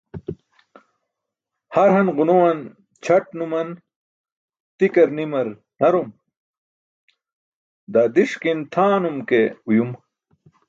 Harhan gunowan ćʰat numan tikar nimar narum, daa diski̇n tʰaanum ke uyum.